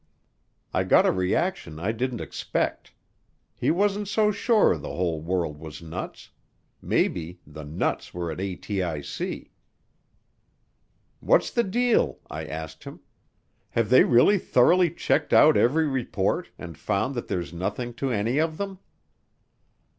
I got a reaction I didn't expect; he wasn't so sure the whole world was nuts maybe the nuts were at ATIC. "What's the deal?" I asked him. "Have they really thoroughly checked out every report and found that there's nothing to any of them?"